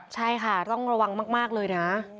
ใช่ค่ะต้องระวังมากเลยนะ